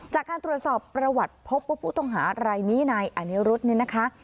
จากการตรวจสอบประวัติพบว่าผู้ต้องหารายนี้นายอัเนียรุทธ์